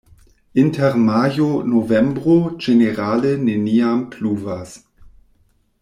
Inter majo-novembro ĝenerale neniam pluvas.